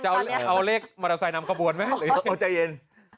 จะเอาเลขมาทางในน้ำกระบวนไหม